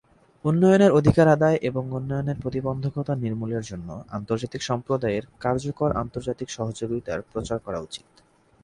উন্নয়নের অধিকার আদায় এবং উন্নয়নের প্রতিবন্ধকতা নির্মূলের জন্য আন্তর্জাতিক সম্প্রদায়ের কার্যকর আন্তর্জাতিক সহযোগিতার প্রচার করা উচিত।